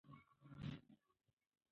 په دې ټولنه کې د جهالت غبار شتون نه لري.